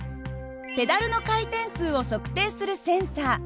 ペダルの回転数を測定するセンサー。